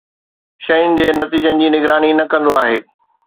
شين جي نتيجن جي نگراني نه ڪندو آهي